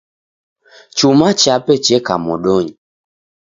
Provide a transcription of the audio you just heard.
Chuma chape cheka modonyi.